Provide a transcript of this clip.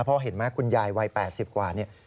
เพราะเห็นไหมคุณยายวัย๘๐กว่าเนี่ย